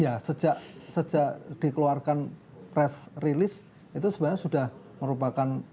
ya sejak dikeluarkan press release itu sebenarnya sudah merupakan